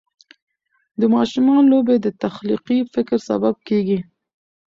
د ماشومانو لوبې د تخلیقي فکر سبب کېږي.